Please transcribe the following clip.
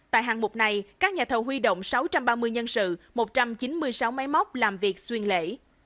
tại hạng mục này các nhà thầu huy động sáu trăm ba mươi nhân sự một trăm chín mươi sáu máy móc làm việc xuyên lễ